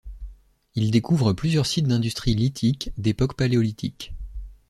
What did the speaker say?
Ils découvrent plusieurs sites d'industrie lithique, d'époque Paléolithique.